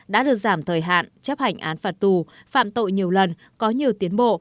đã được giảm thời hạn chấp hành án phạt tù phạm tội nhiều lần có nhiều tiến bộ